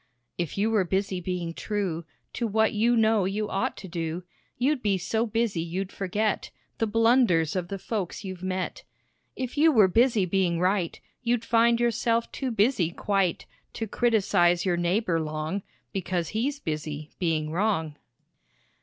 "If you were busy being true To what you know you ought to do, You'd be so busy you'd forget The blunders of the folks you've met. "If you were busy being right, You'd find yourself too busy quite To criticize your neighbor long Because he's busy being wrong."